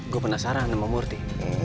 gue penasaran sama murthy